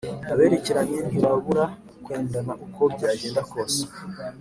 Aberekeranye ntibabura kwendana uko byagenda kose